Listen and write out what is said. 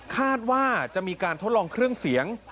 คาดว่าจะมีการทดลองเครื่องเสียง